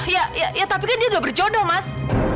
ya tapi kan dia sudah berjodoh mas